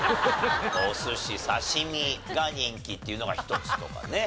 お寿司・刺身が人気というのが１つとかね。